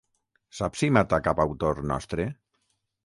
Saps si mata cap autor nostre?